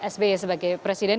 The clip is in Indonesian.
sma sebagai presiden